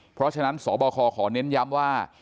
เพราะฉะนั้นสบคขอเน้นย้ำว่า